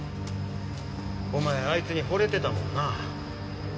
お前あいつに惚れてたもんな。